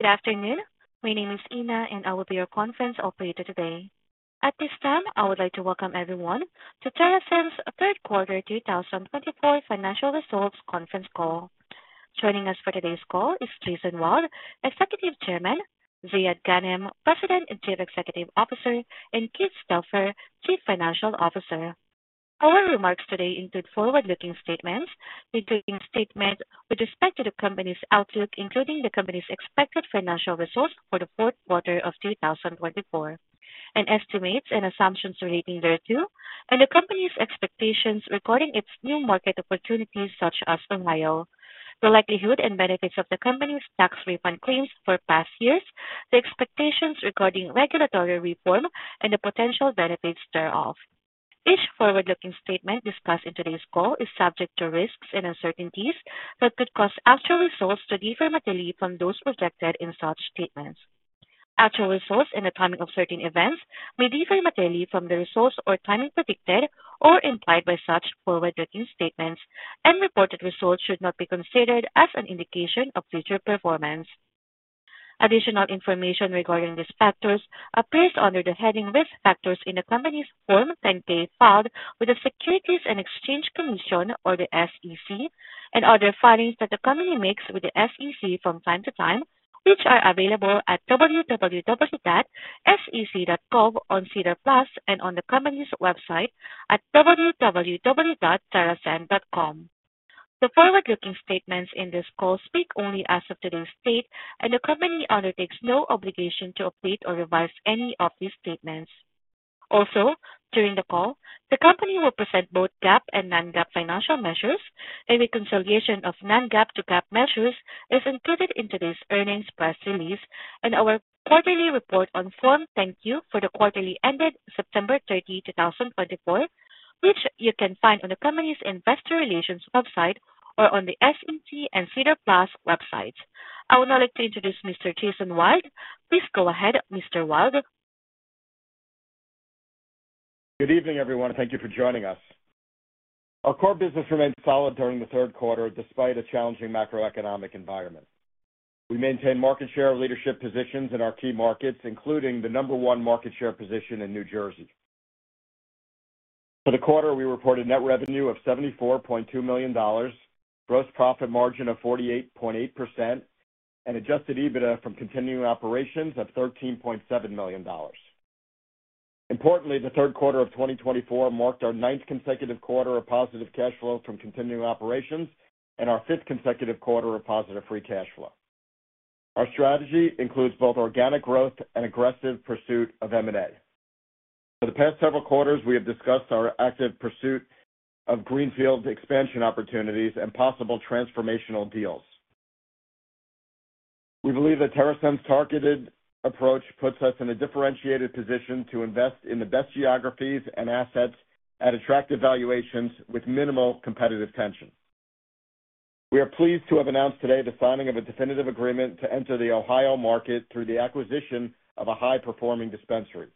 Good afternoon. My name is Ina, and I will be your conference operator today. At this time, I would like to welcome everyone to TerrAscend's third quarter 2024 financial results conference call. Joining us for today's call is Jason Wild, Executive Chairman, Ziad Ghanem, President and Chief Executive Officer, and Keith Stauffer, Chief Financial Officer. Our remarks today include forward-looking statements, including statements with respect to the company's outlook, including the company's expected financial results for the fourth quarter of 2024, and estimates and assumptions relating thereto, and the company's expectations regarding its new market opportunities, such as Ohio, the likelihood and benefits of the company's tax refund claims for past years, the expectations regarding regulatory reform, and the potential benefits thereof. Each forward-looking statement discussed in today's call is subject to risks and uncertainties that could cause actual results to differ materially from those projected in such statements. Actual results and the timing of certain events may differ materially from the results or timing predicted or implied by such forward-looking statements, and reported results should not be considered as an indication of future performance. Additional information regarding risk factors appears under the heading "Risk Factors" in the company's Form 10-K filed with the Securities and Exchange Commission, or the SEC, and other filings that the company makes with the SEC from time to time, which are available at www.sec.gov/edgar and on the company's website at www.terrascend.com. The forward-looking statements in this call speak only as of today's date, and the company undertakes no obligation to update or revise any of these statements. Also, during the call, the company will present both GAAP and non-GAAP financial measures, and reconciliation of non-GAAP to GAAP measures is included in today's earnings press release and our quarterly report on Form 10-Q for the quarter ended September 30, 2024, which you can find on the company's Investor Relations website or on the SEC and SEDAR+ websites. I would now like to introduce Mr. Jason Wild. Please go ahead, Mr. Wild. Good evening, everyone. Thank you for joining us. Our core business remained solid during the third quarter despite a challenging macroeconomic environment. We maintained market share leadership positions in our key markets, including the number one market share position in New Jersey. For the quarter, we reported net revenue of $74.2 million, gross profit margin of 48.8%, and adjusted EBITDA from continuing operations of $13.7 million. Importantly, the third quarter of 2024 marked our ninth consecutive quarter of positive cash flow from continuing operations and our fifth consecutive quarter of positive free cash flow. Our strategy includes both organic growth and aggressive pursuit of M&A. For the past several quarters, we have discussed our active pursuit of greenfield expansion opportunities and possible transformational deals. We believe that TerrAscend's targeted approach puts us in a differentiated position to invest in the best geographies and assets at attractive valuations with minimal competitive tension. We are pleased to have announced today the signing of a definitive agreement to enter the Ohio market through the acquisition of a high-performing dispensary.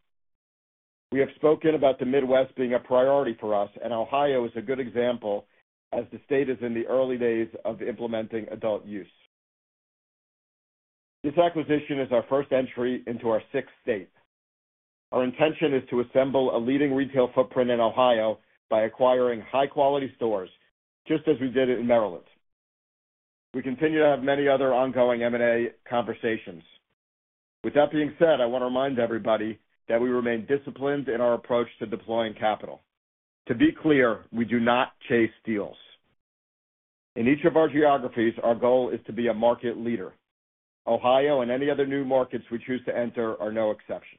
We have spoken about the Midwest being a priority for us, and Ohio is a good example as the state is in the early days of implementing adult use. This acquisition is our first entry into our sixth state. Our intention is to assemble a leading retail footprint in Ohio by acquiring high-quality stores, just as we did in Maryland. We continue to have many other ongoing M&A conversations. With that being said, I want to remind everybody that we remain disciplined in our approach to deploying capital. To be clear, we do not chase deals. In each of our geographies, our goal is to be a market leader. Ohio and any other new markets we choose to enter are no exception.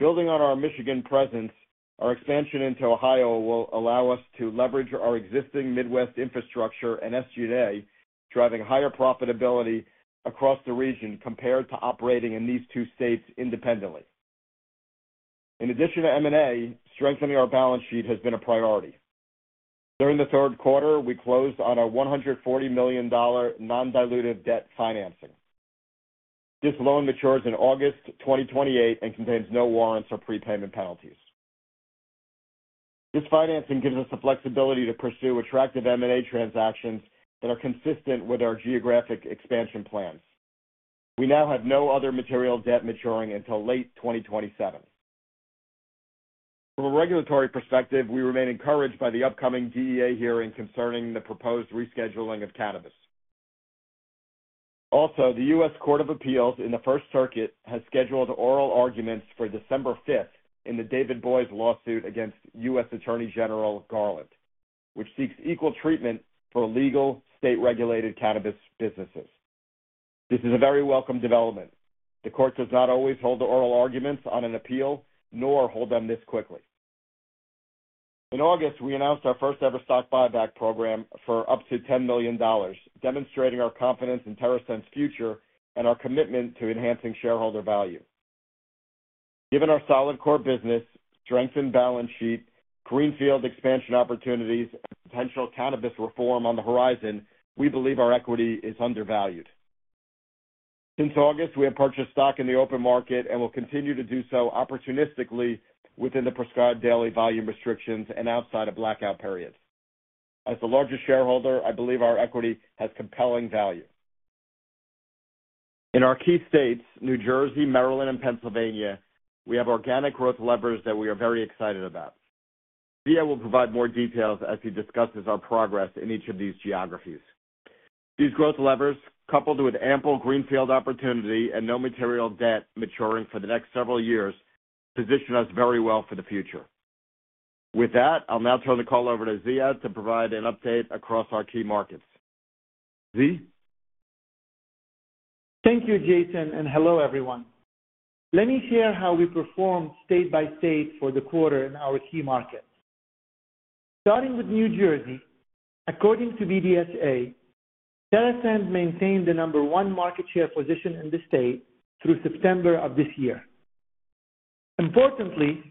Building on our Michigan presence, our expansion into Ohio will allow us to leverage our existing Midwest infrastructure and SG&A, driving higher profitability across the region compared to operating in these two states independently. In addition to M&A, strengthening our balance sheet has been a priority. During the third quarter, we closed on a $140 million non-dilutive debt financing. This loan matures in August 2028 and contains no warrants or prepayment penalties. This financing gives us the flexibility to pursue attractive M&A transactions that are consistent with our geographic expansion plans. We now have no other material debt maturing until late 2027. From a regulatory perspective, we remain encouraged by the upcoming DEA hearing concerning the proposed rescheduling of cannabis. Also, the U.S. Court of Appeals for the First Circuit has scheduled oral arguments for December 5th in the David Boies lawsuit against U.S. Attorney General Garland, which seeks equal treatment for legal state-regulated cannabis businesses. This is a very welcome development. The court does not always hold the oral arguments on an appeal, nor hold them this quickly. In August, we announced our first-ever stock buyback program for up to $10 million, demonstrating our confidence in TerrAscend's future and our commitment to enhancing shareholder value. Given our solid core business, strengthened balance sheet, greenfield expansion opportunities, and potential cannabis reform on the horizon, we believe our equity is undervalued. Since August, we have purchased stock in the open market and will continue to do so opportunistically within the prescribed daily volume restrictions and outside of blackout periods. As the largest shareholder, I believe our equity has compelling value. In our key states, New Jersey, Maryland, and Pennsylvania, we have organic growth levers that we are very excited about. Ziad will provide more details as he discusses our progress in each of these geographies. These growth levers, coupled with ample greenfield opportunity and no material debt maturing for the next several years, position us very well for the future. With that, I'll now turn the call over to Ziad to provide an update across our key markets. Ziad? Thank you, Jason, and hello, everyone. Let me share how we performed state by state for the quarter in our key markets. Starting with New Jersey, according to BDSA, TerrAscend maintained the number one market share position in the state through September of this year. Importantly,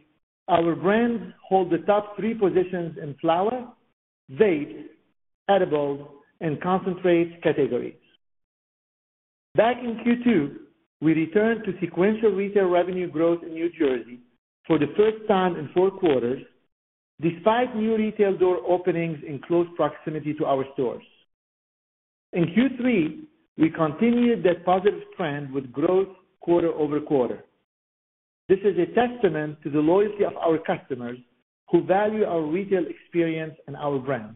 our brands hold the top three positions in flower, vapes, edibles, and concentrates categories. Back in Q2, we returned to sequential retail revenue growth in New Jersey for the first time in four quarters, despite new retail door openings in close proximity to our stores. In Q3, we continued that positive trend with growth quarter over quarter. This is a testament to the loyalty of our customers who value our retail experience and our brand.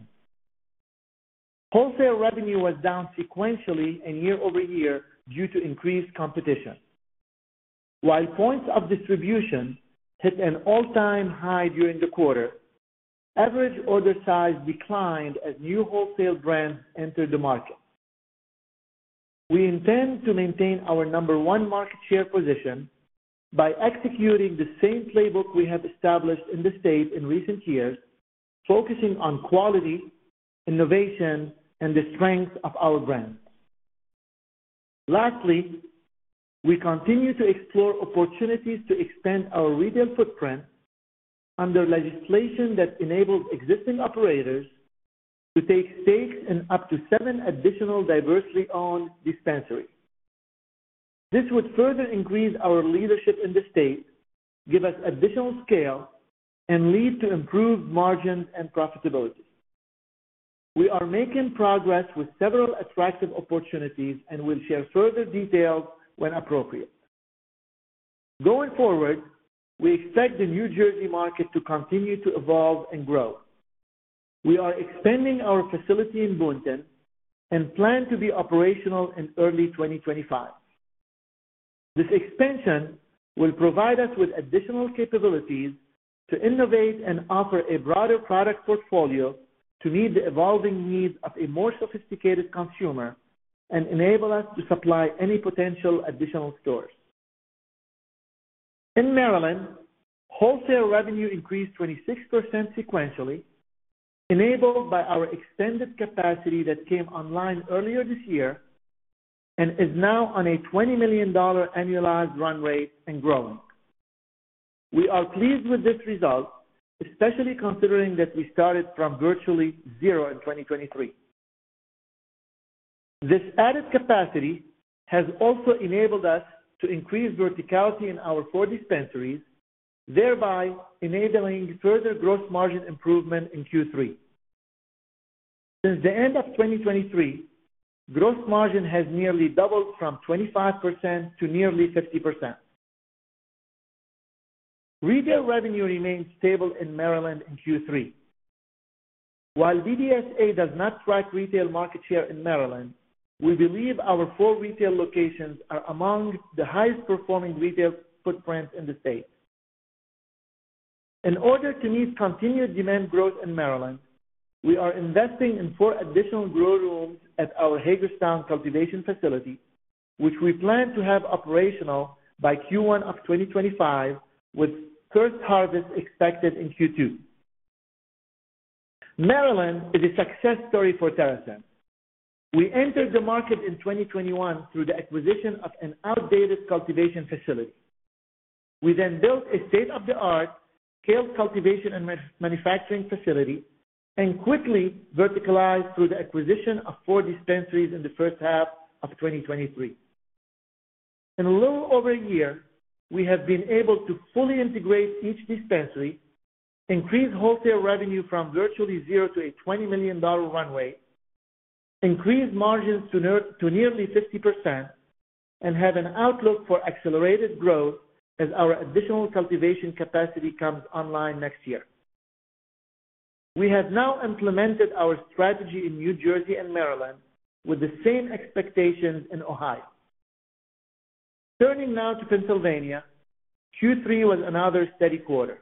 Wholesale revenue was down sequentially year over year due to increased competition. While points of distribution hit an all-time high during the quarter, average order size declined as new wholesale brands entered the market. We intend to maintain our number one market share position by executing the same playbook we have established in the state in recent years, focusing on quality, innovation, and the strength of our brands. Lastly, we continue to explore opportunities to extend our retail footprint under legislation that enables existing operators to take stakes in up to seven additional diversely owned dispensaries. This would further increase our leadership in the state, give us additional scale, and lead to improved margins and profitability. We are making progress with several attractive opportunities and will share further details when appropriate. Going forward, we expect the New Jersey market to continue to evolve and grow. We are expanding our facility in Boonton and plan to be operational in early 2025. This expansion will provide us with additional capabilities to innovate and offer a broader product portfolio to meet the evolving needs of a more sophisticated consumer and enable us to supply any potential additional stores. In Maryland, wholesale revenue increased 26% sequentially, enabled by our extended capacity that came online earlier this year and is now on a $20 million annualized run rate and growing. We are pleased with this result, especially considering that we started from virtually zero in 2023. This added capacity has also enabled us to increase verticality in our four dispensaries, thereby enabling further gross margin improvement in Q3. Since the end of 2023, gross margin has nearly doubled from 25% to nearly 50%. Retail revenue remained stable in Maryland in Q3. While BDSA does not track retail market share in Maryland, we believe our four retail locations are among the highest-performing retail footprints in the state. In order to meet continued demand growth in Maryland, we are investing in four additional grow rooms at our Hagerstown cultivation facility, which we plan to have operational by Q1 of 2025, with first harvest expected in Q2. Maryland is a success story for TerrAscend. We entered the market in 2021 through the acquisition of an outdated cultivation facility. We then built a state-of-the-art scaled cultivation and manufacturing facility and quickly verticalized through the acquisition of four dispensaries in the first half of 2023. In a little over a year, we have been able to fully integrate each dispensary, increase wholesale revenue from virtually zero to a $20 million runway, increase margins to nearly 50%, and have an outlook for accelerated growth as our additional cultivation capacity comes online next year. We have now implemented our strategy in New Jersey and Maryland with the same expectations in Ohio. Turning now to Pennsylvania, Q3 was another steady quarter.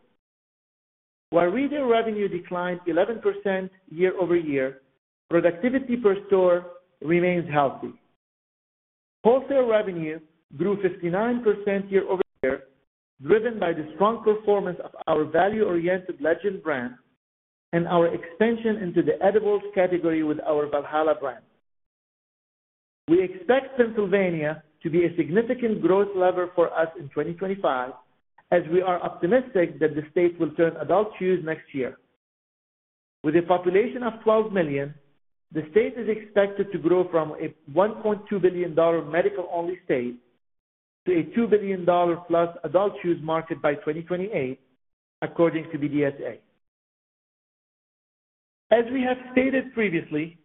While retail revenue declined 11% year over year, productivity per store remains healthy. Wholesale revenue grew 59% year over year, driven by the strong performance of our value-oriented Legend brand and our expansion into the edibles category with our Valhalla brand. We expect Pennsylvania to be a significant growth lever for us in 2025, as we are optimistic that the state will turn adult-use next year. With a population of 12 million, the state is expected to grow from a $1.2 billion medical-only state to a $2 billion plus adult-use market by 2028, according to BDSA. As we have stated previously,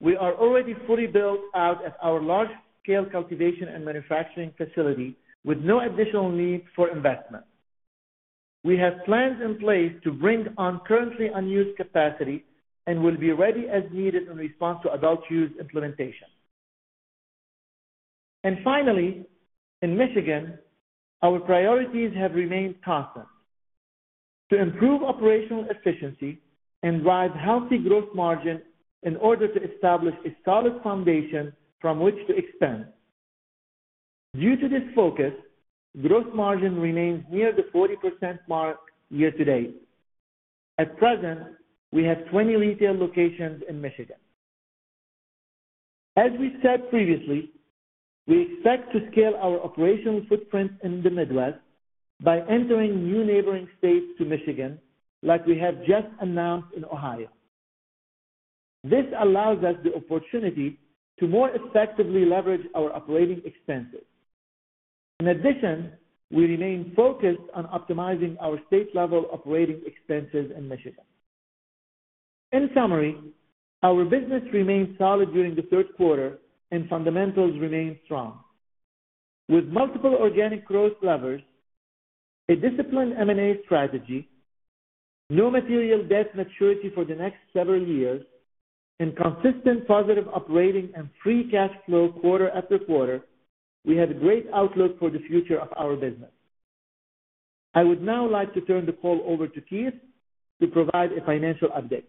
we are already fully built out at our large-scale cultivation and manufacturing facility with no additional need for investment. We have plans in place to bring on currently unused capacity and will be ready as needed in response to adult-use implementation. Finally, in Michigan, our priorities have remained constant to improve operational efficiency and drive healthy gross margin in order to establish a solid foundation from which to expand. Due to this focus, gross margin remains near the 40% mark year to date. At present, we have 20 retail locations in Michigan. As we said previously, we expect to scale our operational footprint in the Midwest by entering new neighboring states to Michigan, like we have just announced in Ohio. This allows us the opportunity to more effectively leverage our operating expenses. In addition, we remain focused on optimizing our state-level operating expenses in Michigan. In summary, our business remained solid during the third quarter and fundamentals remained strong. With multiple organic growth levers, a disciplined M&A strategy, no material debt maturity for the next several years, and consistent positive operating and free cash flow quarter after quarter, we have a great outlook for the future of our business. I would now like to turn the call over to Keith to provide a financial update.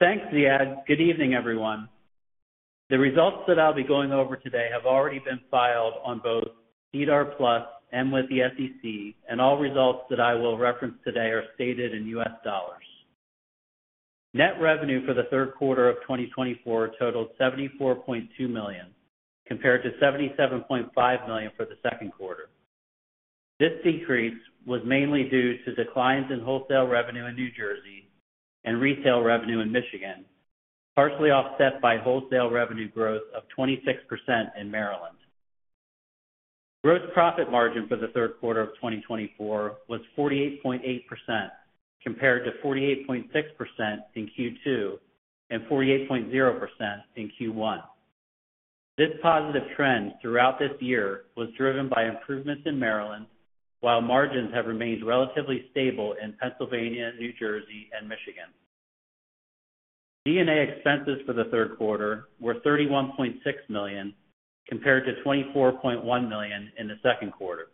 Thanks, Ziad. Good evening, everyone. The results that I'll be going over today have already been filed on both SEDAR+ and with the SEC, and all results that I will reference today are stated in U.S. dollars. Net revenue for the third quarter of 2024 totaled $74.2 million, compared to $77.5 million for the second quarter. This decrease was mainly due to declines in wholesale revenue in New Jersey and retail revenue in Michigan, partially offset by wholesale revenue growth of 26% in Maryland. Gross profit margin for the third quarter of 2024 was 48.8%, compared to 48.6% in Q2 and 48.0% in Q1. This positive trend throughout this year was driven by improvements in Maryland, while margins have remained relatively stable in Pennsylvania, New Jersey, and Michigan. G&A expenses for the third quarter were $31.6 million, compared to $24.1 million in the second quarter.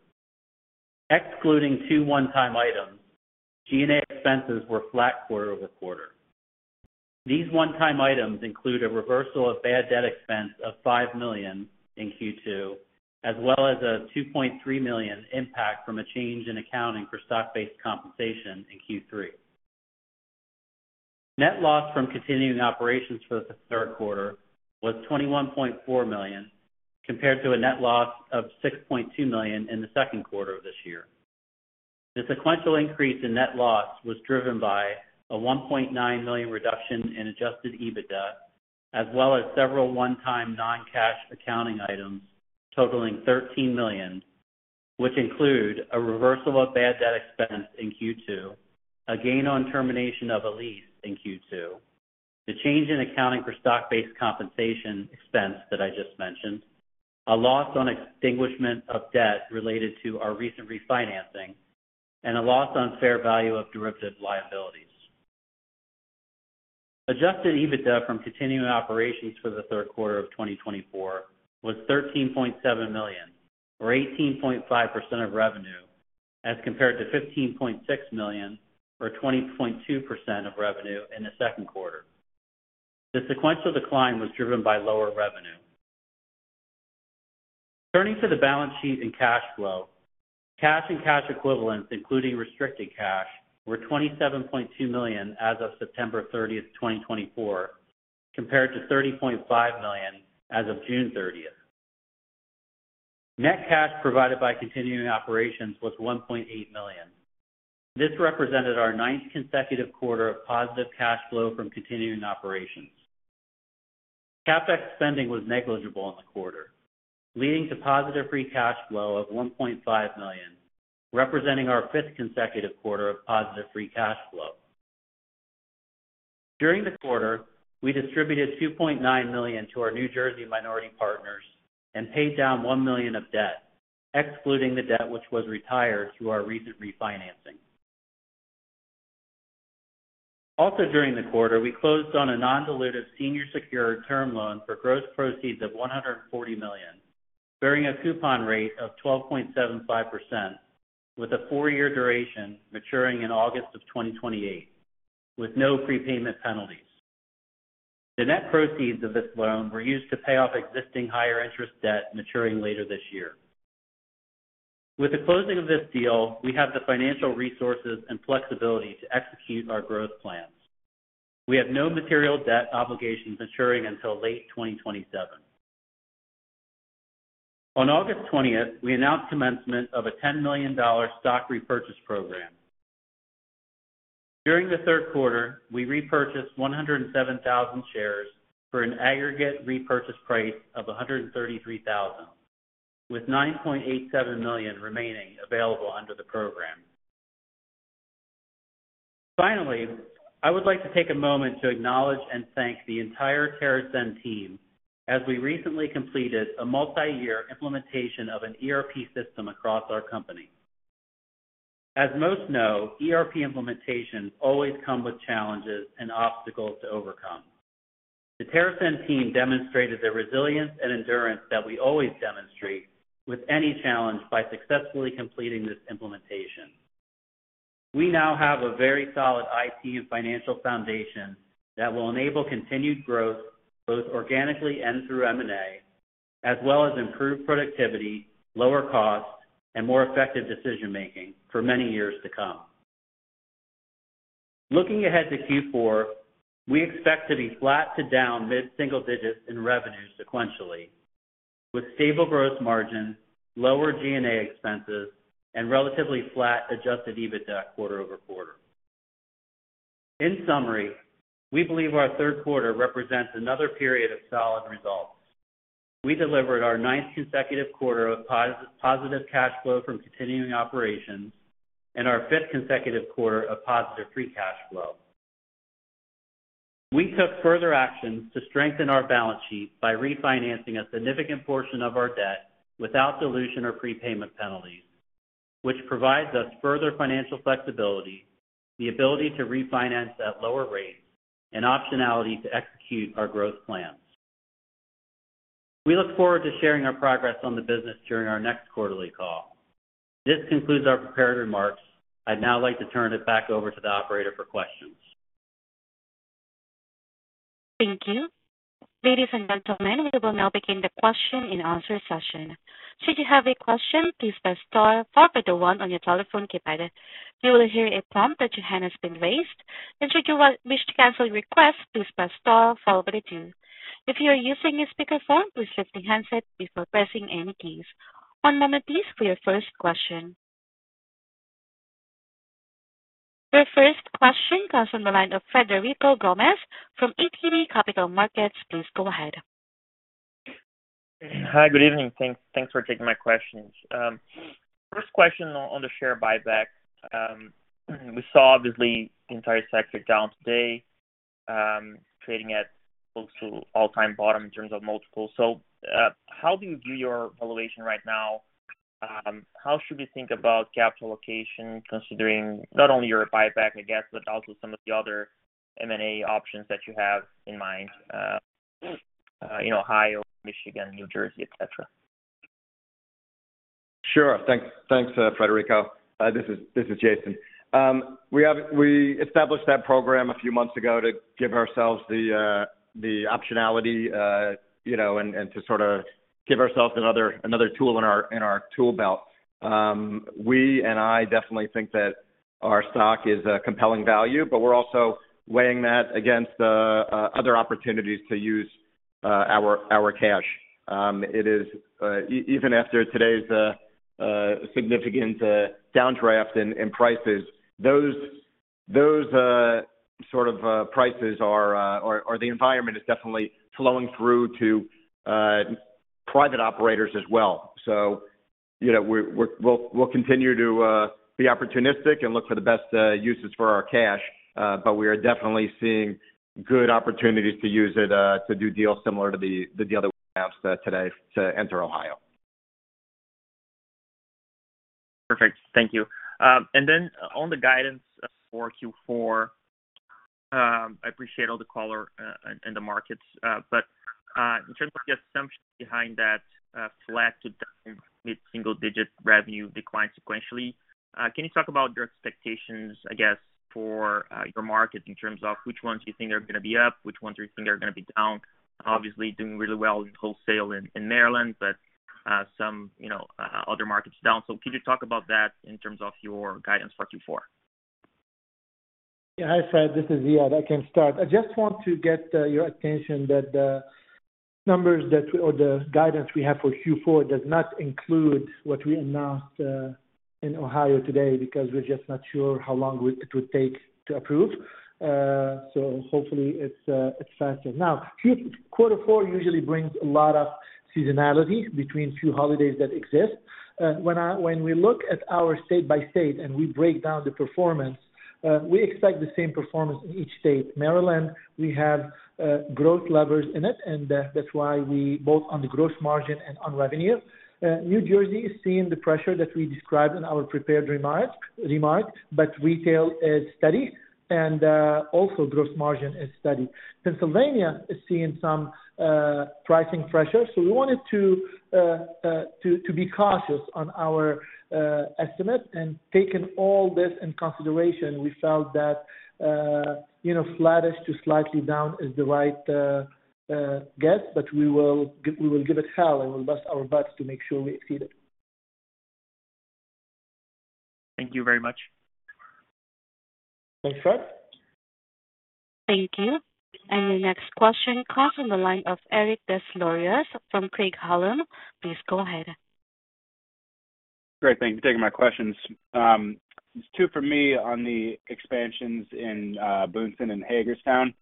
Excluding two one-time items, SG&A expenses were flat quarter over quarter. These one-time items include a reversal of bad debt expense of $5 million in Q2, as well as a $2.3 million impact from a change in accounting for stock-based compensation in Q3. Net loss from continuing operations for the third quarter was $21.4 million, compared to a net loss of $6.2 million in the second quarter of this year. The sequential increase in net loss was driven by a $1.9 million reduction in adjusted EBITDA, as well as several one-time non-cash accounting items totaling $13 million, which include a reversal of bad debt expense in Q2, a gain on termination of a lease in Q2, the change in accounting for stock-based compensation expense that I just mentioned, a loss on extinguishment of debt related to our recent refinancing, and a loss on fair value of derivative liabilities. Adjusted EBITDA from continuing operations for the third quarter of 2024 was $13.7 million, or 18.5% of revenue, as compared to $15.6 million, or 20.2% of revenue in the second quarter. The sequential decline was driven by lower revenue. Turning to the balance sheet and cash flow, cash and cash equivalents, including restricted cash, were $27.2 million as of September 30, 2024, compared to $30.5 million as of June 30, 2024. Net cash provided by continuing operations was $1.8 million. This represented our ninth consecutive quarter of positive cash flow from continuing operations. CapEx spending was negligible in the quarter, leading to positive free cash flow of $1.5 million, representing our fifth consecutive quarter of positive free cash flow. During the quarter, we distributed $2.9 million to our New Jersey minority partners and paid down $1 million of debt, excluding the debt which was retired through our recent refinancing. Also during the quarter, we closed on a non-dilutive senior secured term loan for gross proceeds of $140 million, bearing a coupon rate of 12.75%, with a four-year duration maturing in August of 2028, with no prepayment penalties. The net proceeds of this loan were used to pay off existing higher-interest debt maturing later this year. With the closing of this deal, we have the financial resources and flexibility to execute our growth plans. We have no material debt obligations maturing until late 2027. On August 20, we announced commencement of a $10 million stock repurchase program. During the third quarter, we repurchased 107,000 shares for an aggregate repurchase price of $133,000, with $9.87 million remaining available under the program. Finally, I would like to take a moment to acknowledge and thank the entire TerrAscend team as we recently completed a multi-year implementation of an ERP system across our company. As most know, ERP implementations always come with challenges and obstacles to overcome. The TerrAscend team demonstrated the resilience and endurance that we always demonstrate with any challenge by successfully completing this implementation. We now have a very solid IT and financial foundation that will enable continued growth both organically and through M&A, as well as improved productivity, lower costs, and more effective decision-making for many years to come. Looking ahead to Q4, we expect to be flat to down mid-single digits in revenue sequentially, with stable gross margins, lower SG&A expenses, and relatively flat Adjusted EBITDA quarter over quarter. In summary, we believe our third quarter represents another period of solid results. We delivered our ninth consecutive quarter of positive cash flow from continuing operations and our fifth consecutive quarter of positive free cash flow. We took further actions to strengthen our balance sheet by refinancing a significant portion of our debt without dilution or prepayment penalties, which provides us further financial flexibility, the ability to refinance at lower rates, and optionality to execute our growth plans. We look forward to sharing our progress on the business during our next quarterly call. This concludes our prepared remarks. I'd now like to turn it back over to the operator for questions. Thank you. Ladies and gentlemen, we will now begin the question and answer session. Should you have a question, please press star followed by the one on your telephone keypad. You will hear a prompt that your hand has been raised. And should you wish to cancel your request, please press star followed by the two. If you are using a speakerphone, please lift the handset before pressing any keys. One moment, please, for your first question. Your first question comes from the line of Frederico Gomes from ATB Capital Markets. Please go ahead. Hi, good evening. Thanks for taking my questions. First question on the share buyback. We saw, obviously, the entire sector down today, trading at close to all-time bottom in terms of multiple. So how do you view your valuation right now? How should we think about capital allocation considering not only your buyback, I guess, but also some of the other M&A options that you have in mind in Ohio, Michigan, New Jersey, etc.? Sure. Thanks, Frederico. This is Jason. We established that program a few months ago to give ourselves the optionality and to sort of give ourselves another tool in our tool belt. We and I definitely think that our stock is a compelling value, but we're also weighing that against other opportunities to use our cash. Even after today's significant downdraft in prices, those sort of prices, the environment, is definitely flowing through to private operators as well. So we'll continue to be opportunistic and look for the best uses for our cash, but we are definitely seeing good opportunities to use it to do deals similar to the deal that we announced today to enter Ohio. Perfect. Thank you. And then on the guidance for Q4, I appreciate all the callers and the markets, but in terms of the assumption behind that flat to down mid-single digit revenue decline sequentially, can you talk about your expectations, I guess, for your market in terms of which ones you think are going to be up, which ones you think are going to be down? Obviously, doing really well in wholesale in Maryland, but some other markets down. So can you talk about that in terms of your guidance for Q4? Yeah. Hi, Fred. This is Ziad. I can start. I just want to get your attention that the numbers or the guidance we have for Q4 does not include what we announced in Ohio today because we're just not sure how long it would take to approve. So hopefully, it's faster. Now, Q4 usually brings a lot of seasonality between a few holidays that exist. When we look at our state by state and we break down the performance, we expect the same performance in each state. Maryland, we have growth levers in it, and that's why we both on the gross margin and on revenue. New Jersey is seeing the pressure that we described in our prepared remark, but retail is steady, and also gross margin is steady. Pennsylvania is seeing some pricing pressure. So we wanted to be cautious on our estimate. Taking all this into consideration, we felt that flatish to slightly down is the right guess, but we will give it hell and we'll bust our butts to make sure we exceed it. Thank you very much. Thanks, Fred. Thank you. And your next question comes from the line of Eric Des Lauriers from Craig-Hallum Capital Group. Please go ahead. Great. Thank you for taking my questions. Two for me on the expansions in Boonton and Hagerstown.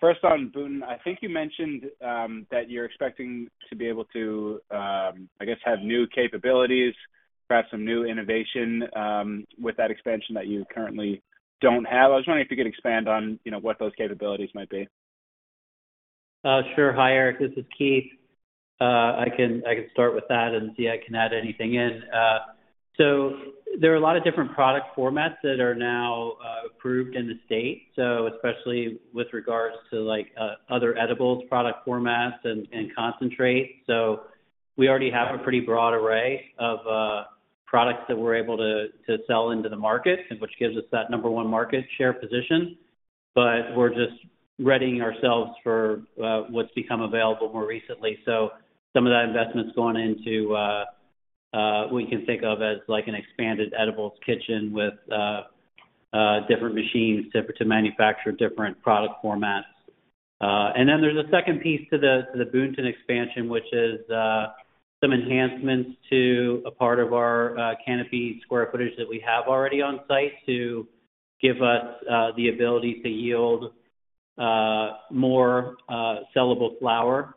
First on Boonton, I think you mentioned that you're expecting to be able to, I guess, have new capabilities, perhaps some new innovation with that expansion that you currently don't have. I was wondering if you could expand on what those capabilities might be. Sure. Hi, Eric. This is Keith. I can start with that, and Ziad can add anything in. So there are a lot of different product formats that are now approved in the state, especially with regards to other edibles product formats and concentrates. So we already have a pretty broad array of products that we're able to sell into the market, which gives us that number one market share position. But we're just readying ourselves for what's become available more recently. So some of that investment's gone into what you can think of as an expanded edibles kitchen with different machines to manufacture different product formats. Then there's a second piece to the Boonton expansion, which is some enhancements to a part of our canopy square footage that we have already on site to give us the ability to yield more sellable flower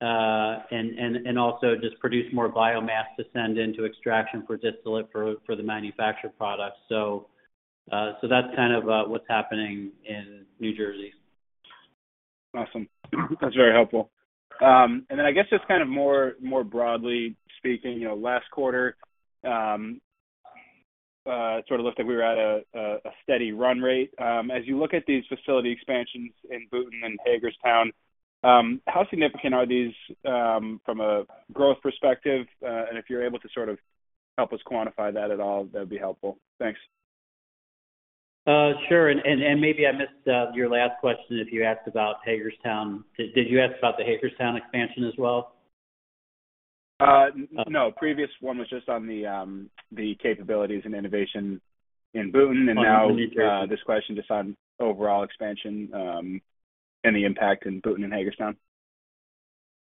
and also just produce more biomass to send into extraction for distillate for the manufactured products. So that's kind of what's happening in New Jersey. Awesome. That's very helpful. And then I guess just kind of more broadly speaking, last quarter sort of looked like we were at a steady run rate. As you look at these facility expansions in Boonton and Hagerstown, how significant are these from a growth perspective? And if you're able to sort of help us quantify that at all, that would be helpful. Thanks. Sure. And maybe I missed your last question if you asked about Hagerstown. Did you ask about the Hagerstown expansion as well? No. Previous one was just on the capabilities and innovation in Boonton. And now this question is on overall expansion and the impact in Boonton and Hagerstown.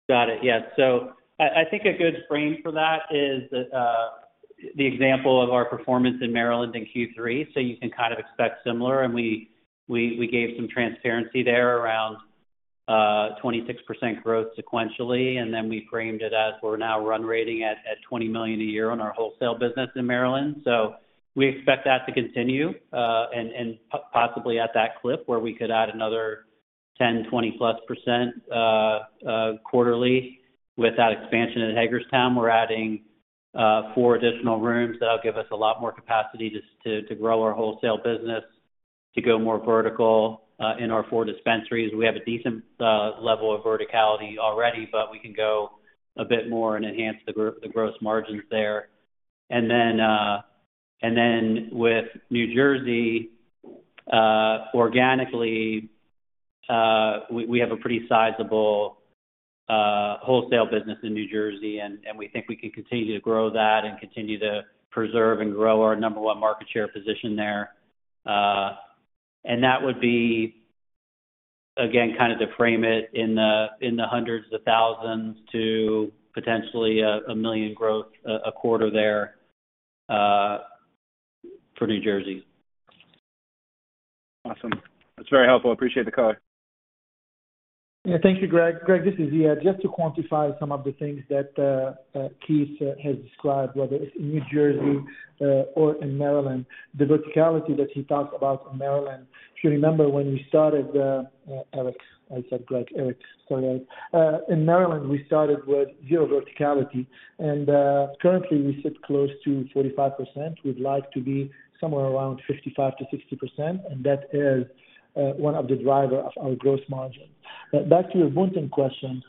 Got it. Yeah. So I think a good frame for that is the example of our performance in Maryland in Q3. So you can kind of expect similar. And we gave some transparency there around 26% growth sequentially. And then we framed it as we're now run rating at $20 million a year on our wholesale business in Maryland. So we expect that to continue and possibly at that clip where we could add another 10%-20+% quarterly. With that expansion in Hagerstown, we're adding four additional rooms that'll give us a lot more capacity to grow our wholesale business, to go more vertical in our four dispensaries. We have a decent level of verticality already, but we can go a bit more and enhance the gross margins there. And then with New Jersey, organically, we have a pretty sizable wholesale business in New Jersey, and we think we can continue to grow that and continue to preserve and grow our number one market share position there. And that would be, again, kind of to frame it in the hundreds of thousands to potentially a million growth a quarter there for New Jersey. Awesome. That's very helpful. Appreciate the color. Yeah. Thank you, Greg. Greg, this is Ziad. Just to quantify some of the things that Keith has described, whether it's in New Jersey or in Maryland, the verticality that he talks about in Maryland. You should remember when we started, Eric, I said Greg. Eric, sorry. In Maryland, we started with zero verticality. And currently, we sit close to 45%. We'd like to be somewhere around 55%-60%, and that is one of the drivers of our gross margin. But back to your Boonton question,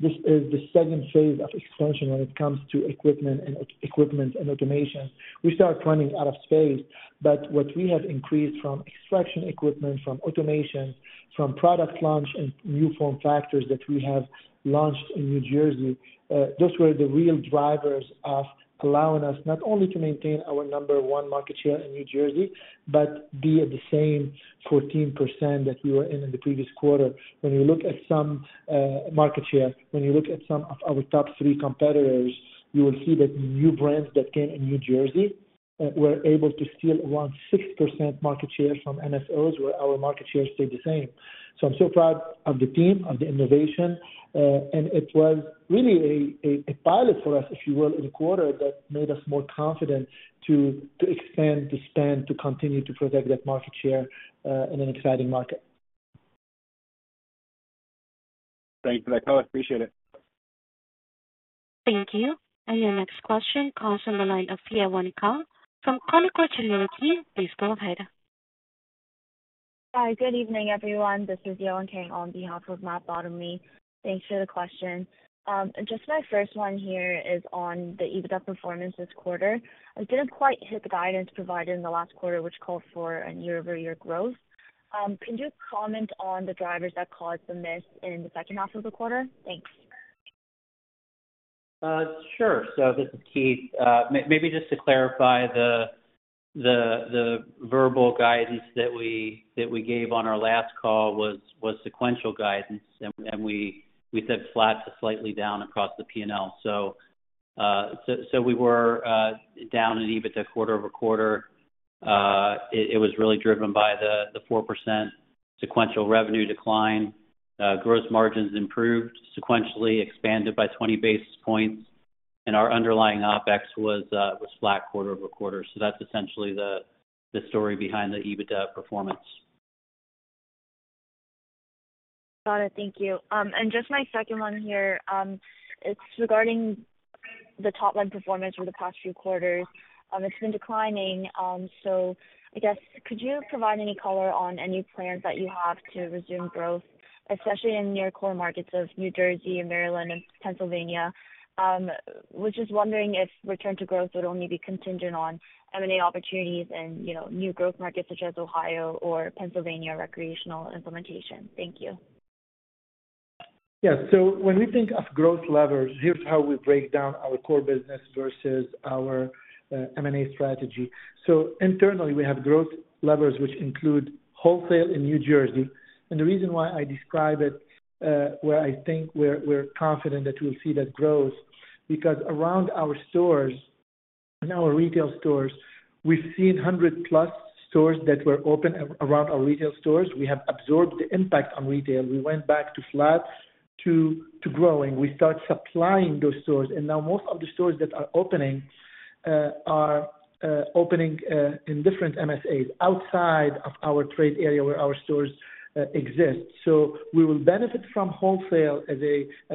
this is the second phase of expansion when it comes to equipment and automation. We start running out of space, but what we have increased from extraction equipment, from automation, from product launch and new form factors that we have launched in New Jersey, those were the real drivers of allowing us not only to maintain our number one market share in New Jersey, but be at the same 14% that we were in in the previous quarter. When you look at some market share, when you look at some of our top three competitors, you will see that new brands that came in New Jersey were able to steal around 6% market share from MSOs, where our market share stayed the same. So I'm so proud of the team, of the innovation. It was really a pilot for us, if you will, in the quarter that made us more confident to expand, to spend, to continue to protect that market share in an exciting market. Thank you for that color. Appreciate it. Thank you. And your next question comes from the line of Yewon Kang from Canaccord Genuity. Please go ahead. Hi. Good evening, everyone. This is Yewon Kang on behalf of Matt Bottomley. Thanks for the question. Just my first one here is on the EBITDA performance this quarter. I didn't quite hit the guidance provided in the last quarter, which called for a year-over-year growth. Can you comment on the drivers that caused the miss in the second half of the quarter? Thanks. Sure. So this is Keith. Maybe just to clarify, the verbal guidance that we gave on our last call was sequential guidance, and we said flat to slightly down across the P&L. So we were down in EBITDA quarter over quarter. It was really driven by the 4% sequential revenue decline. Gross margins improved, sequentially expanded by 20 basis points. And our underlying OPEX was flat quarter over quarter. So that's essentially the story behind the EBITDA performance. Got it. Thank you, and just my second one here, it's regarding the top-line performance for the past few quarters. It's been declining, so I guess, could you provide any color on any plans that you have to resume growth, especially in your core markets of New Jersey, Maryland, and Pennsylvania? We're just wondering if return to growth would only be contingent on M&A opportunities and new growth markets such as Ohio or Pennsylvania recreational implementation. Thank you. Yeah. So when we think of growth levers, here's how we break down our core business versus our M&A strategy. So internally, we have growth levers, which include wholesale in New Jersey. And the reason why I describe it, where I think we're confident that we'll see that growth, because around our stores and our retail stores, we've seen 100-plus stores that were open around our retail stores. We have absorbed the impact on retail. We went back to flat to growing. We start supplying those stores. And now most of the stores that are opening are opening in different MSAs outside of our trade area where our stores exist. So we will benefit from wholesale as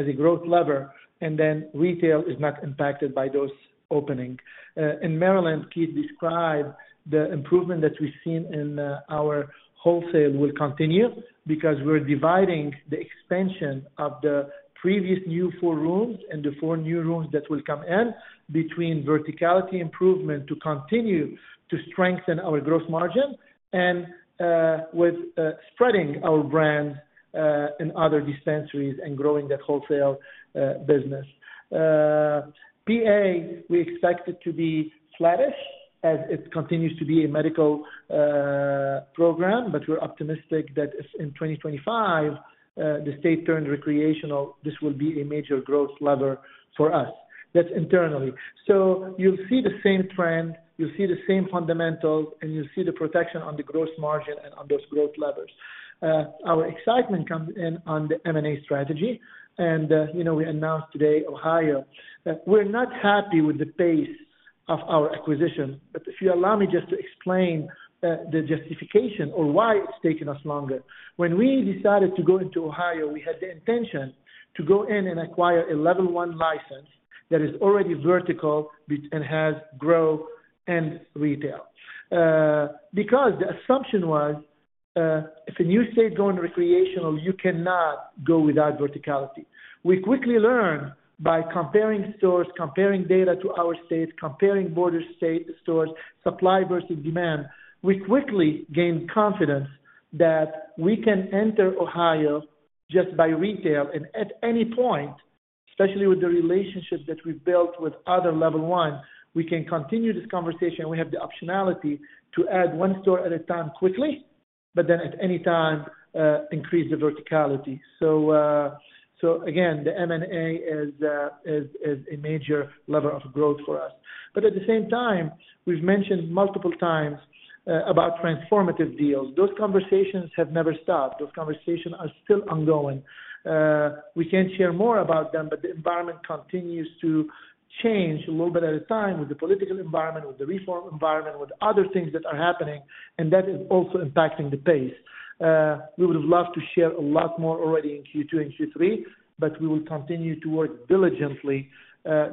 a growth lever, and then retail is not impacted by those opening. In Maryland, Keith described the improvement that we've seen in our wholesale will continue because we're driving the expansion of the previous new four rooms and the four new rooms that will come online between verticality improvement to continue to strengthen our gross margin and with spreading our brand in other dispensaries and growing that wholesale business. PA, we expect it to be flattish as it continues to be a medical program, but we're optimistic that in 2025, the state turns recreational, this will be a major growth lever for us. That's internally. So you'll see the same trend. You'll see the same fundamentals, and you'll see the protection on the gross margin and on those growth levers. Our excitement comes in on the M&A strategy, and we announced today, Ohio, we're not happy with the pace of our acquisition. But if you allow me just to explain the justification or why it's taken us longer. When we decided to go into Ohio, we had the intention to go in and acquire a Level I license that is already vertical and has growth and retail. Because the assumption was, if a new state goes into recreational, you cannot go without verticality. We quickly learned by comparing stores, comparing data to our states, comparing border stores, supply versus demand. We quickly gained confidence that we can enter Ohio just by retail. And at any point, especially with the relationship that we've built with other Level I, we can continue this conversation. We have the optionality to add one store at a time quickly, but then at any time, increase the verticality. So again, the M&A is a major lever of growth for us. But at the same time, we've mentioned multiple times about transformative deals. Those conversations have never stopped. Those conversations are still ongoing. We can't share more about them, but the environment continues to change a little bit at a time with the political environment, with the reform environment, with other things that are happening, and that is also impacting the pace. We would have loved to share a lot more already in Q2 and Q3, but we will continue to work diligently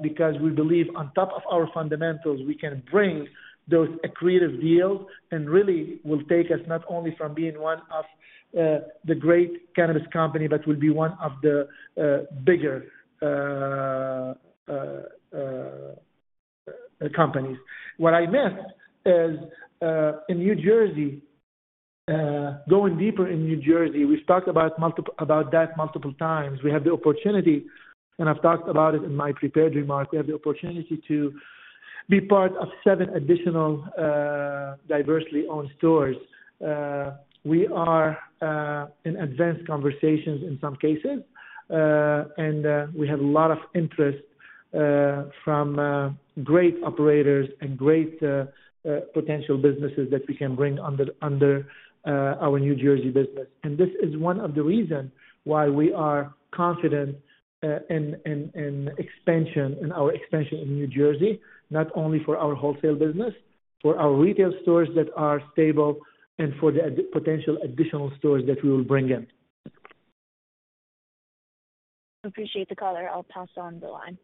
because we believe on top of our fundamentals, we can bring those accretive deals and really will take us not only from being one of the great cannabis companies, but will be one of the bigger companies. What I missed is in New Jersey, going deeper in New Jersey, we've talked about that multiple times. We have the opportunity, and I've talked about it in my prepared remarks. We have the opportunity to be part of seven additional diversely owned stores. We are in advanced conversations in some cases, and we have a lot of interest from great operators and great potential businesses that we can bring under our New Jersey business, and this is one of the reasons why we are confident in our expansion in New Jersey, not only for our wholesale business, for our retail stores that are stable, and for the potential additional stores that we will bring in. Appreciate the color. I'll pass on the line.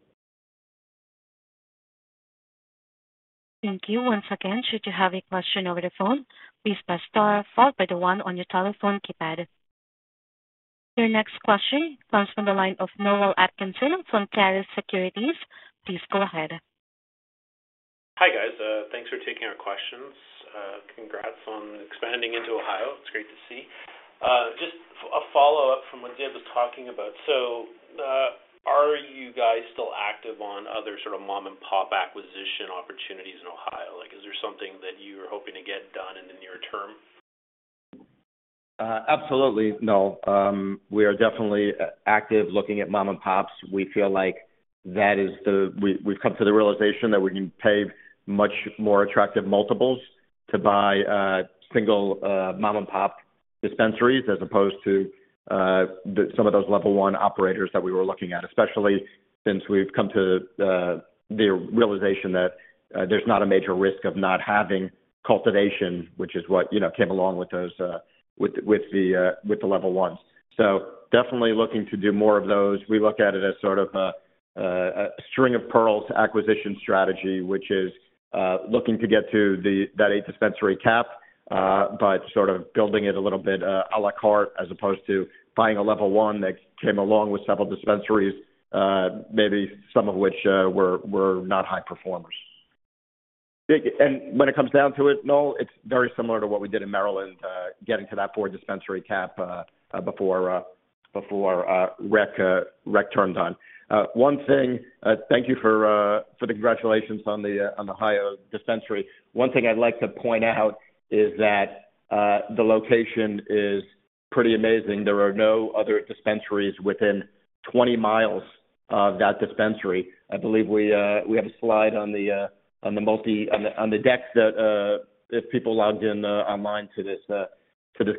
Thank you. Once again, should you have a question over the phone, please press star followed by the one on your telephone keypad. Your next question comes from the line of Noel Atkinson from Clarus Securities. Please go ahead. Hi guys. Thanks for taking our questions. Congrats on expanding into Ohio. It's great to see. Just a follow-up from what Ziad was talking about. So are you guys still active on other sort of mom-and-pop acquisition opportunities in Ohio? Is there something that you are hoping to get done in the near term? Absolutely. No. We are definitely active looking at mom-and-pops. We feel like that is. We've come to the realization that we can pay much more attractive multiples to buy single mom-and-pop dispensaries as opposed to some of those level one operators that we were looking at, especially since we've come to the realization that there's not a major risk of not having cultivation, which is what came along with the level ones. So definitely looking to do more of those. We look at it as sort of a string of pearls acquisition strategy, which is looking to get to that eight-dispensary cap, but sort of building it a little bit à la carte as opposed to buying a level one that came along with several dispensaries, maybe some of which were not high performers. When it comes down to it, Noel, it's very similar to what we did in Maryland, getting to that four-dispensary cap before REC turned on. One thing, thank you for the congratulations on the Ohio dispensary. One thing I'd like to point out is that the location is pretty amazing. There are no other dispensaries within 20 miles of that dispensary. I believe we have a slide on the deck that if people logged in online to this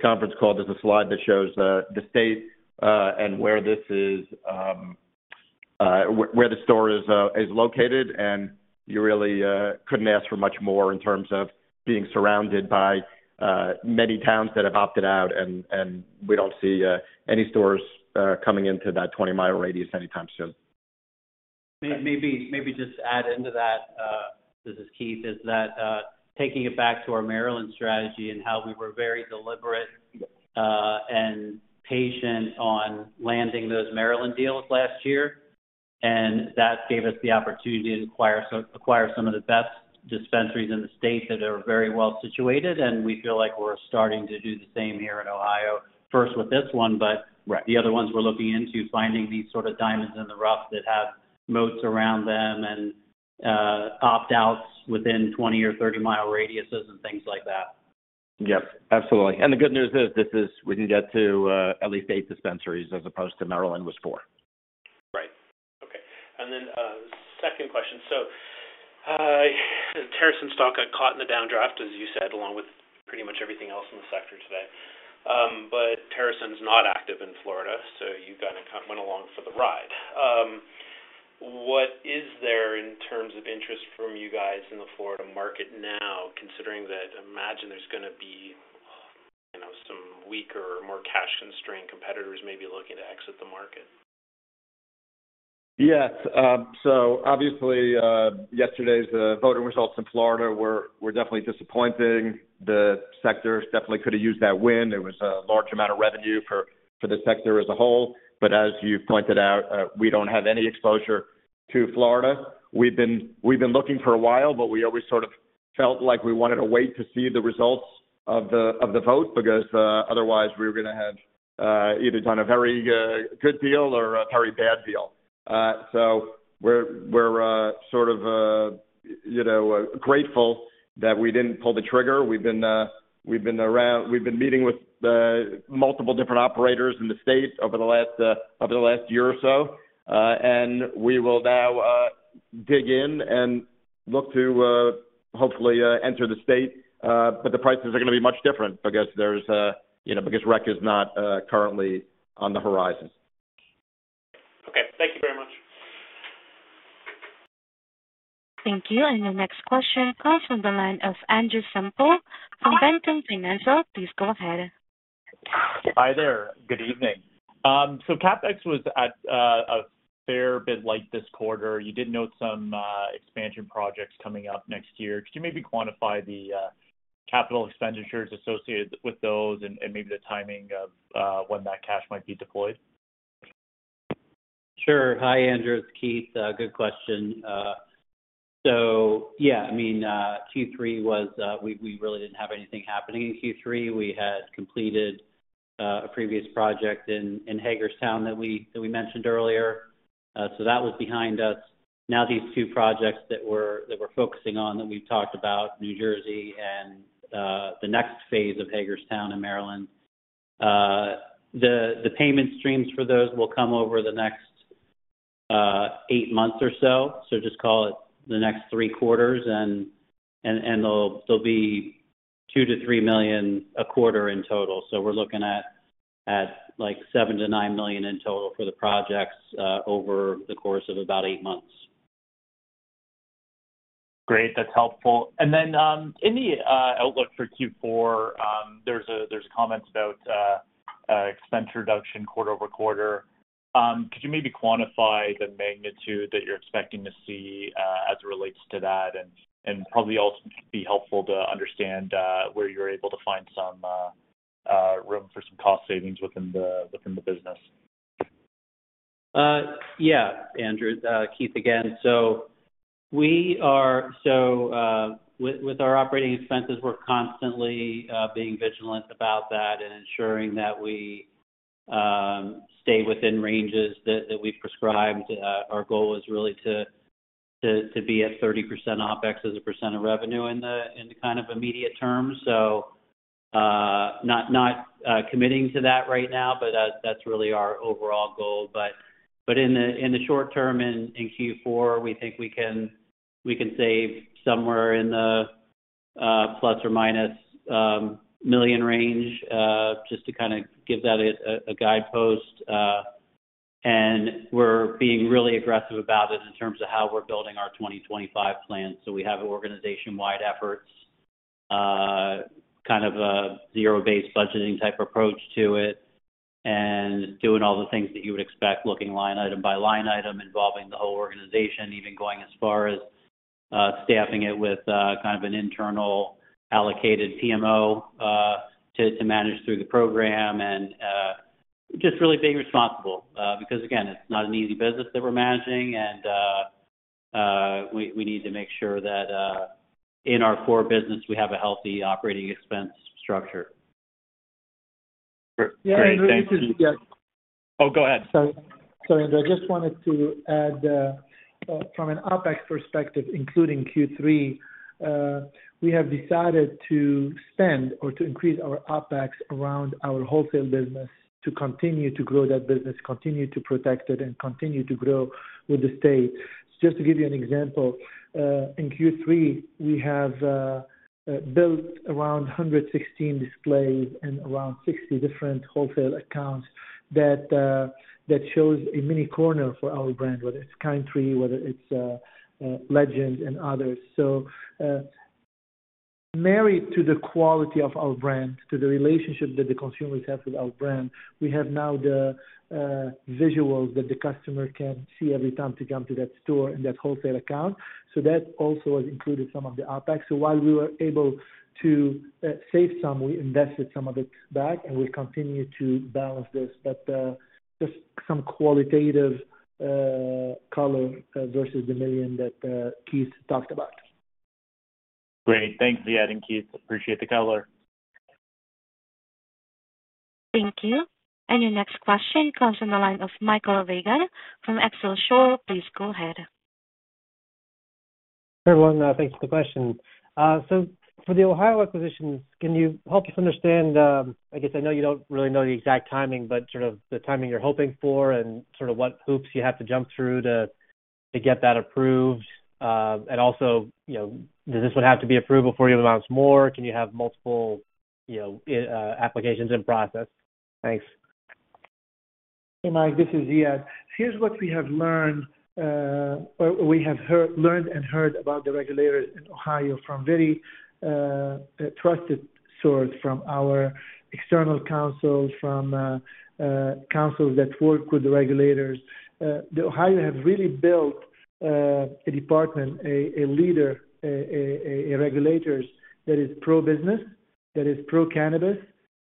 conference call, there's a slide that shows the state and where the store is located. You really couldn't ask for much more in terms of being surrounded by many towns that have opted out, and we don't see any stores coming into that 20-mile radius anytime soon. Maybe just add into that. This is Keith. Is that taking it back to our Maryland strategy and how we were very deliberate and patient on landing those Maryland deals last year, and that gave us the opportunity to acquire some of the best dispensaries in the state that are very well situated, and we feel like we're starting to do the same here in Ohio, first with this one, but the other ones we're looking into finding these sort of diamonds in the rough that have moats around them and opt-outs within 20 or 30-mile radiuses and things like that. Yep. Absolutely. And the good news is this is we can get to at least eight dispensaries as opposed to Maryland, was four. Right. Okay, and then second question. So TerrAscend stock got caught in the downdraft, as you said, along with pretty much everything else in the sector today. But TerrAscend is not active in Florida, so you kind of went along for the ride. What is there in terms of interest from you guys in the Florida market now, considering that I imagine there's going to be some weaker or more cash-constrained competitors maybe looking to exit the market? Yes. So obviously, yesterday's voting results in Florida were definitely disappointing. The sector definitely could have used that win. It was a large amount of revenue for the sector as a whole. But as you pointed out, we don't have any exposure to Florida. We've been looking for a while, but we always sort of felt like we wanted to wait to see the results of the vote because otherwise we were going to have either done a very good deal or a very bad deal. So we're sort of grateful that we didn't pull the trigger. We've been meeting with multiple different operators in the state over the last year or so. And we will now dig in and look to hopefully enter the state. But the prices are going to be much different because REC is not currently on the horizon. Okay. Thank you very much. Thank you. Your next question comes from the line of Andrew Semple from Ventum Financial. Please go ahead. Hi there. Good evening. CapEx was a fair bit low this quarter. You did note some expansion projects coming up next year. Could you maybe quantify the capital expenditures associated with those and maybe the timing of when that cash might be deployed? Sure. Hi, Andrew. It's Keith. Good question. So yeah, I mean, Q3 was we really didn't have anything happening in Q3. We had completed a previous project in Hagerstown that we mentioned earlier. So that was behind us. Now these two projects that we're focusing on that we've talked about, New Jersey and the next phase of Hagerstown in Maryland, the payment streams for those will come over the next eight months or so. So just call it the next three quarters. And they'll be $2 million-$3 million a quarter in total. So we're looking at $7 million-$9 million in total for the projects over the course of about eight months. Great. That's helpful. And then in the outlook for Q4, there's comments about expense reduction quarter over quarter. Could you maybe quantify the magnitude that you're expecting to see as it relates to that? And probably also be helpful to understand where you're able to find some room for some cost savings within the business. Yeah, Andrew, Keith again. So with our operating expenses, we're constantly being vigilant about that and ensuring that we stay within ranges that we've prescribed. Our goal is really to be at 30% OpEx as a percent of revenue in the kind of immediate term. So not committing to that right now, but that's really our overall goal. But in the short term in Q4, we think we can save somewhere in the plus or minus $1 million range just to kind of give that a guidepost. And we're being really aggressive about it in terms of how we're building our 2025 plan. So we have organization-wide efforts, kind of a zero-based budgeting type approach to it, and doing all the things that you would expect looking line item by line item involving the whole organization, even going as far as staffing it with kind of an internal allocated PMO to manage through the program. And just really being responsible because, again, it's not an easy business that we're managing. And we need to make sure that in our core business, we have a healthy operating expense structure. Great. Thank you. Oh, go ahead. Sorry, Andrew. I just wanted to add from an OpEx perspective, including Q3, we have decided to spend or to increase our OpEx around our wholesale business to continue to grow that business, continue to protect it, and continue to grow with the state. Just to give you an example, in Q3, we have built around 116 displays and around 60 different wholesale accounts that show a mini corner for our brand, whether it's Kind Tree, whether it's Legend, and others. So, married to the quality of our brand, to the relationship that the consumers have with our brand, we have now the visuals that the customer can see every time they come to that store in that wholesale account. So that also has included some of the OpEx. So while we were able to save some, we invested some of it back, and we continue to balance this. But just some qualitative color versus the million that Keith talked about. Great. Thanks, Ziad and Keith. Appreciate the color. Thank you. And your next question comes from the line of Michael Regan from Excelsior Capital. Please go ahead. Hey, everyone. Thanks for the question. So for the Ohio acquisitions, can you help us understand, I guess I know you don't really know the exact timing, but sort of the timing you're hoping for and sort of what hoops you have to jump through to get that approved? And also, does this one have to be approved before you announce more? Can you have multiple applications in process? Thanks. Hey, Mike. This is Ziad. Here's what we have learned or we have learned and heard about the regulators in Ohio from very trusted sources, from our external counsel, from counsel that work with the regulators. Ohio has really built a department, leaders, regulators that is pro-business, that is pro-cannabis,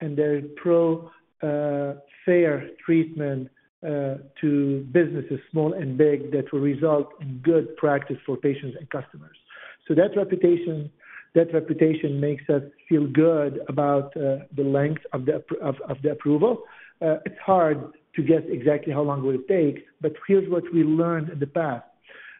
and they're pro-fair treatment to businesses, small and big, that will result in good practice for patients and customers. So that reputation makes us feel good about the length of the approval. It's hard to guess exactly how long will it take, but here's what we learned in the past.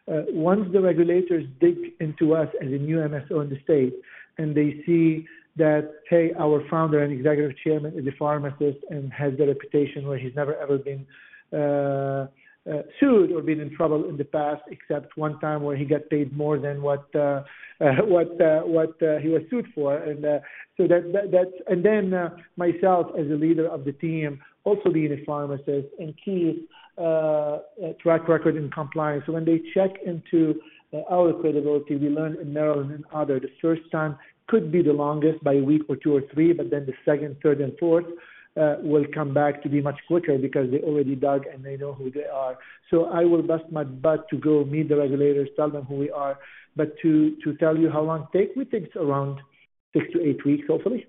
Once the regulators dig into us as a new MSO in the state and they see that, hey, our founder and executive chairman is a pharmacist and has the reputation where he's never, ever been sued or been in trouble in the past, except one time where he got paid more than what he was sued for, and then myself as a leader of the team, also being a pharmacist, and Keith, track record in compliance. So when they check into our credibility, we learned in Maryland and other, the first time could be the longest by a week or two or three, but then the second, third, and fourth will come back to be much quicker because they already dug and they know who they are. So I will bust my butt to go meet the regulators, tell them who we are. But to tell you how long it takes, we think it's around six to eight weeks, hopefully.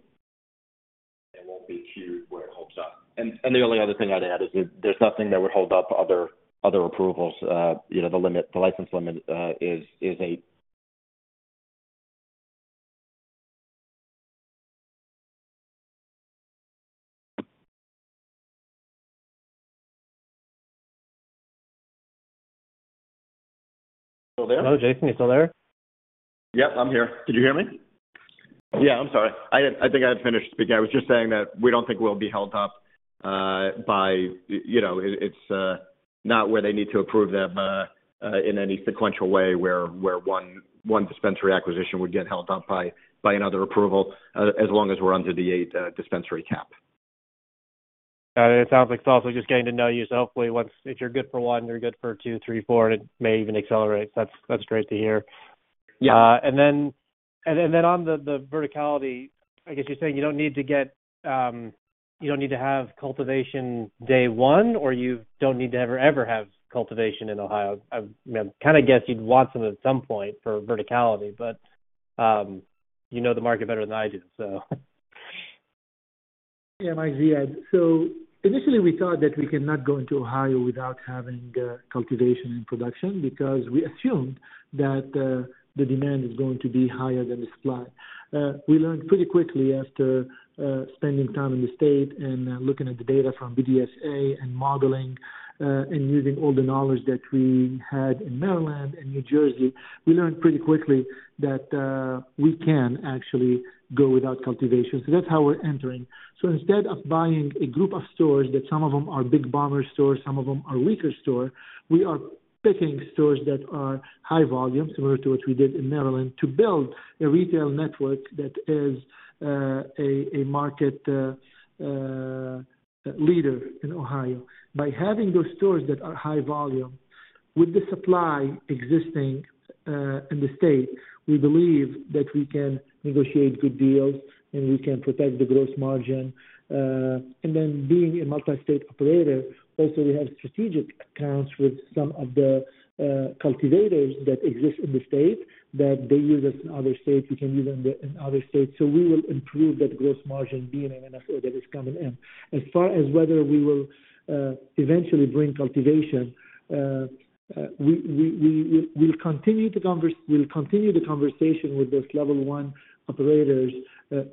It won't be too where it holds up, and the only other thing I'd add is there's nothing that would hold up other approvals. The license limit is eight. Still there? Hello, Jason. You still there? Yep. I'm here. Did you hear me? Yeah. I'm sorry. I think I had finished speaking. I was just saying that we don't think we'll be held up by it. It's not where they need to approve them in any sequential way where one dispensary acquisition would get held up by another approval as long as we're under the eight-dispensary cap. Got it. It sounds like it's also just getting to know you. So hopefully, if you're good for one, you're good for two, three, four, and it may even accelerate. That's great to hear. And then on the verticality, I guess you're saying you don't need to have cultivation day one, or you don't need to ever have cultivation in Ohio. I mean, I kind of guess you'd want some at some point for verticality, but you know the market better than I do, so. Yeah, Mike, Ziad. Initially, we thought that we cannot go into Ohio without having cultivation and production because we assumed that the demand is going to be higher than the supply. We learned pretty quickly after spending time in the state and looking at the data from BDSA and modeling and using all the knowledge that we had in Maryland and New Jersey. We learned pretty quickly that we can actually go without cultivation. That's how we're entering. Instead of buying a group of stores that some of them are big box stores, some of them are weaker stores, we are picking stores that are high volume, similar to what we did in Maryland, to build a retail network that is a market leader in Ohio. By having those stores that are high volume, with the supply existing in the state, we believe that we can negotiate good deals and we can protect the gross margin, and then being a multi-state operator, also we have strategic accounts with some of the cultivators that exist in the state that they use us in other states. We can use them in other states, so we will improve that gross margin being an MSO that is coming in. As far as whether we will eventually bring cultivation, we'll continue to converse with those Level I operators.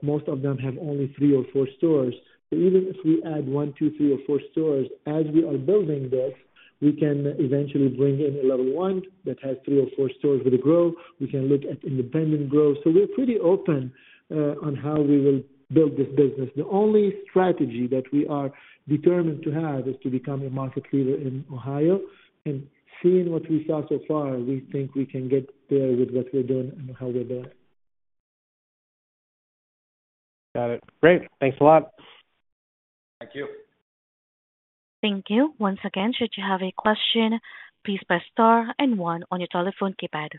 Most of them have only three or four stores, but even if we add one, two, three, or four stores as we are building this, we can eventually bring in a Level I that has three or four stores with a grow. We can look at independent growth. So we're pretty open on how we will build this business. The only strategy that we are determined to have is to become a market leader in Ohio. And seeing what we saw so far, we think we can get there with what we're doing and how we're doing it. Got it. Great. Thanks a lot. Thank you. Thank you. Once again, should you have a question, please press star and one on your telephone keypad.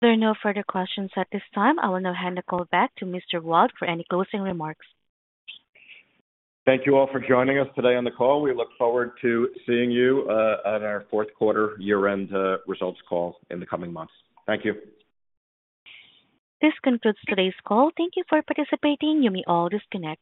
There are no further questions at this time. I will now hand the call back to Mr. Wild for any closing remarks. Thank you all for joining us today on the call. We look forward to seeing you on our fourth quarter year-end results call in the coming months. Thank you. This concludes today's call. Thank you for participating. You may all disconnect.